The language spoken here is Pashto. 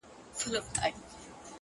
د کار ارزښت په پایله نه محدودېږي.!